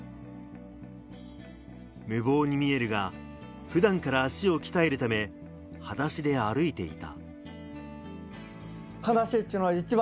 無謀に見えるが、普段から足を鍛えるため、裸足で歩いていた。